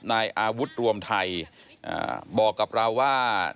นายอาวุธรวมไทยบอกกับเราว่า